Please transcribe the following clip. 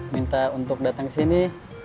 minta untuk datang kesini